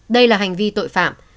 đây là hành vi tội phạm